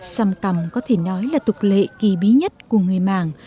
xăm cằm có thể nói là tục lệ kỳ bí nhất của người mảng